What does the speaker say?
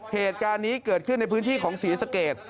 เหตุการณ์นี้เกิดขึ้นในพื้นที่ของศรีสเกต